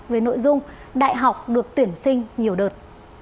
về nội dung đại học được tuyển sinh nhiều đợt